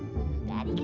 jadi berarti kan tau